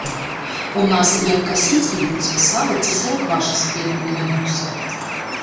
У нас, як касіць ідуць, сала ці сыраквашы з хлебам наядуцца.